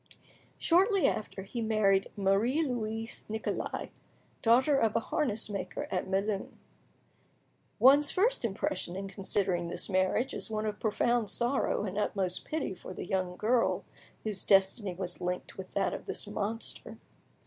Shortly after, he married Marie Louise Nicolais; daughter of a harness maker at Melun. One's first impression in considering this marriage is one of profound sorrow and utmost pity for the young girl whose destiny was linked with that of this monster.